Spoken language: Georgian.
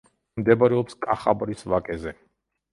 მდებარეობს კახაბრის ვაკეზე.